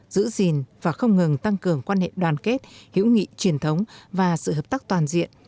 giữ gìn và không ngừng tăng cường quan hệ đoàn kết hữu nghị truyền thống và sự hợp tác toàn diện